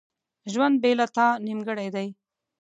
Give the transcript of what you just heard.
ژوند بیله تا ډیر نیمګړی دی.